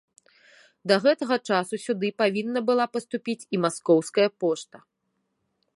Да гэтага часу сюды павінна была паступіць і маскоўская пошта.